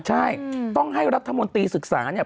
ใช่ต้องให้รัฐมนตรีศึกษาเนี่ย